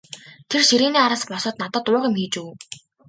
Тэр ширээний араас босоод надад уух юм хийж өгөв.